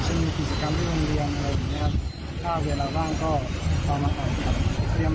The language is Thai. จะมีกี่สักขึ้นที่เขาเรียนอะไรอย่างนี้ครับ